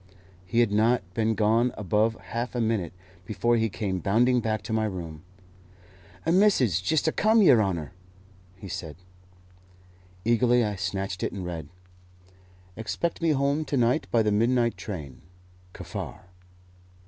He had not been gone above half a minute before he came bounding back to my room. "A message jist 'a come, yer honour!" he cried. Eagerly I snatched it, and read "_Expect me home to night by the midnight train. KAFFAR.